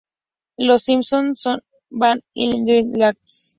Los Simpson van a Diz-Nee-Land.